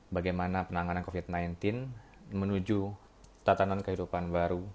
bagaimana penanganan covid sembilan belas menuju tatanan kehidupan baru